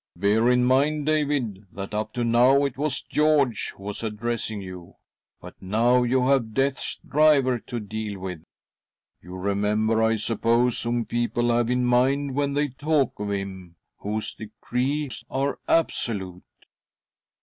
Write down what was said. " Bear in mind, David, that, up to now, it was George who was addressing you ; but now you have Death's driver to deal with. You remember, I suppose, whom people have in mind when they talk of him whose decrees are absolute."